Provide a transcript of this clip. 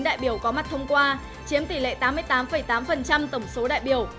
đại biểu có mặt thông qua chiếm tỷ lệ tám mươi tám tám tổng số đại biểu